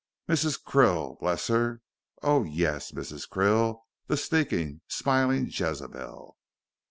Mrs. Krill, bless her, oh, yuss, Mrs. Krill, the sneakin', smiling Jezebel."